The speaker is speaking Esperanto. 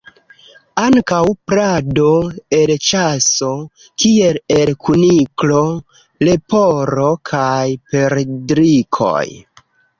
Ankaŭ plado el ĉaso, kiel el kuniklo, leporo kaj perdrikoj.